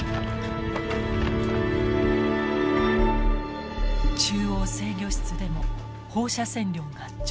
中央制御室でも放射線量が上昇。